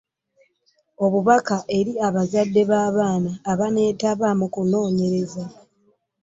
Obubaka eri abazadde b’abaana abaneetaba mu kunoonyereza.